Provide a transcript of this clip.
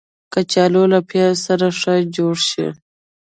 کچالو له پیاز سره ښه جوړ شي